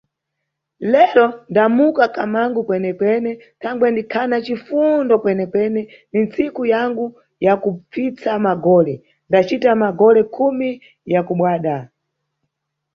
Lero ndamuka kamangu kwene-kwene thangwe ndikhana cifundo kwene-kwene, ni nsiku yangu yakupfitsa magole, ndacita magole khumi ya kubadwa.